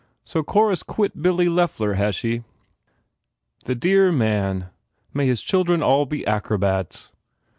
So Cora s quit Billy Loeffler, has she? The dhear man! May his children all be acrobats!